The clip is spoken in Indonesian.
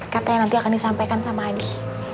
katanya nanti akan disampaikan sama adi